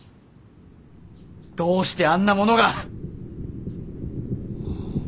どうしてあんなものが！